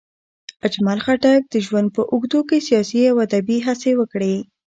اجمل خټک د ژوند په اوږدو کې سیاسي او ادبي هڅې وکړې.